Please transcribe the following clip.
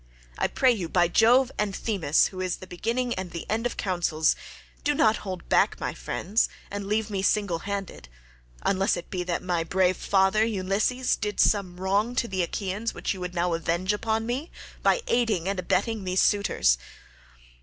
I pray you by Jove and Themis, who is the beginning and the end of councils, [do not] hold back, my friends, and leave me singlehanded18—unless it be that my brave father Ulysses did some wrong to the Achaeans which you would now avenge on me, by aiding and abetting these suitors.